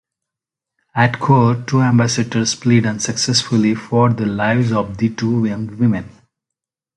At Court two Ambassadors plead unsuccessfully for the lives of the two young women.